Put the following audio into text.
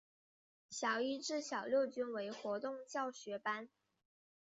小一至小六均为活动教学班。